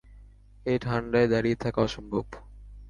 এই ঠান্ডায় দাঁড়িয়ে থাকা অসম্ভব।